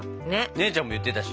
姉ちゃんも言ってたし。